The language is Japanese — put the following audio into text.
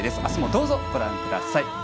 あすもどうぞご覧ください。